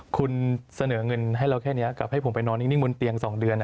คุณเสนอเงินให้เราแค่นี้กับให้ผมไปนอนนิ่งบนเตียง๒เดือน